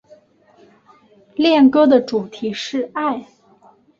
恋歌的主题是爱。